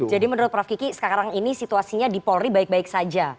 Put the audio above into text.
menurut prof kiki sekarang ini situasinya di polri baik baik saja